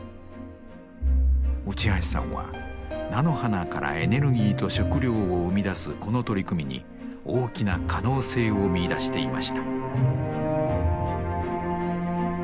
内橋さんは菜の花からエネルギーと食料を生み出すこの取り組みに大きな可能性を見いだしていました。